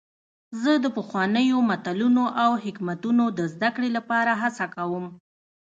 زه د پخوانیو متلونو او حکمتونو د زدهکړې لپاره هڅه کوم.